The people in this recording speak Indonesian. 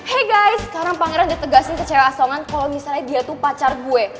hey guys sekarang pangeran ditegaskan ke cewek asongan kalo misalnya dia tuh pacar gue